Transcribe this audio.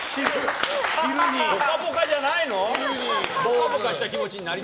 「ぽかぽか」じゃないの？